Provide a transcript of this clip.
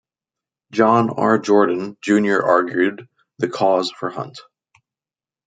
John R. Jordan, Junior argued the cause for Hunt.